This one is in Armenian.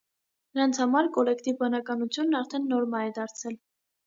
Նրանց համար կոլեկտիվ բանականությունն արդեն նորմա է դարձել։